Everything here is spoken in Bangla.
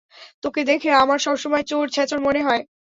তোকে দেখে আমার সবসময় চোর ছেচর মনে হয়।